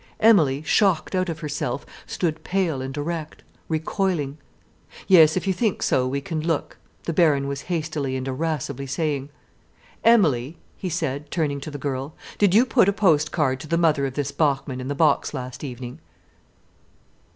Emilie, shocked out of herself, stood pale and erect, recoiling. "Yes, if you think so, we can look," the Baron was hastily and irascibly saying. "Emilie," he said, turning to the girl, "did you put a post card to the mother of this Bachmann in the box last evening?"